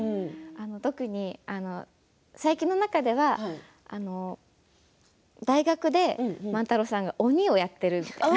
特に最近の中では大学で万太郎さんが鬼をやっている。